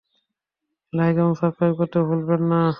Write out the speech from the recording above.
Like এবং subscribe করতে ভুলবেন না!